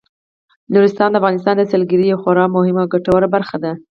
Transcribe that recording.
نورستان د افغانستان د سیلګرۍ یوه خورا مهمه او ګټوره برخه ده.